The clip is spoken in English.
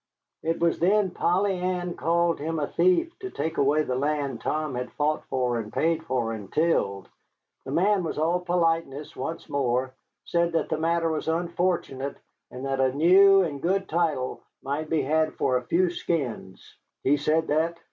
"It was then Polly Ann called him a thief to take away the land Tom had fought for and paid for and tilled. The man was all politeness once more, said that the matter was unfortunate, and that a new and good title might be had for a few skins." "He said that?"